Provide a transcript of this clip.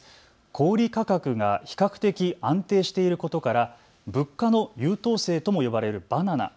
小売価格が比較的安定していることから物価の優等生とも呼ばれるバナナ。